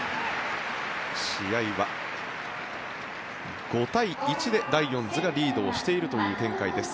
試合は５対１でライオンズがリードしているという展開です。